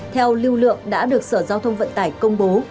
theo lưu lượng đã được sở giao thông vận tải công bố